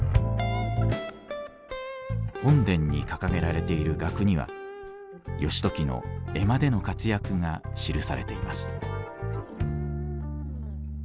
本殿に掲げられている額には義時の江間での活躍が記されています。